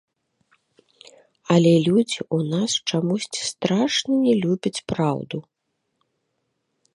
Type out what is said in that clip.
Але людзі ў нас чамусьці страшна не любяць праўду.